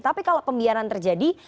tapi kalau pembiaran terjadi